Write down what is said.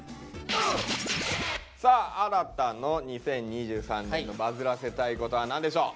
さあ新の２０２３年のバズらせたいことは何でしょう。